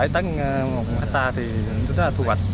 bảy tắc một hectare thì nó rất là thu hoạch